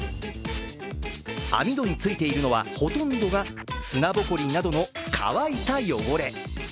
網戸についているのはほとんどが砂ぼこりなどの乾いた汚れ。